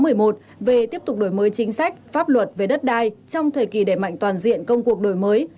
công cuộc đổi mới chính sách pháp luật về đất đai trong thời kỳ đẩy mạnh toàn diện công cuộc đổi mới